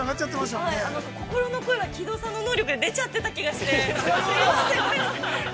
心の声が木戸さんの能力で出ちゃってた気がして。